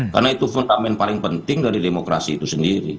karena itu fundament paling penting dari demokrasi itu sendiri